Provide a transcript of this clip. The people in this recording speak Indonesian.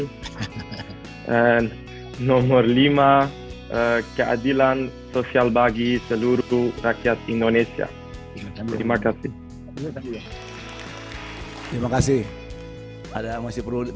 dan nomor lima keadilan sosial bagi seluruh rakyat indonesia